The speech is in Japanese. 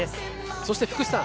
そして福士さん